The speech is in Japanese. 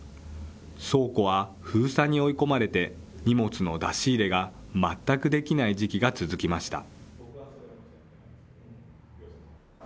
倉庫は封鎖に追い込まれて、荷物の出し入れが全くできない時期が続きました。